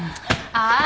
ああ！